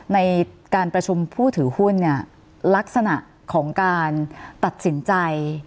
ในการประชุมผู้ถือหุ้นเนี่ยลักษณะของการตัดสินใจ